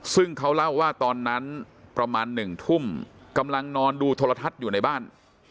ซึ่งเขาเล่าว่าตอนนั้นประมาณ๑ทุ่มกำลังนอนดูโทรทัศน์อยู่ในบ้าน